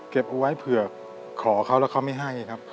เก็บเอาไว้เผื่อขอเค้าแล้วเค้าไม่ให้ครับ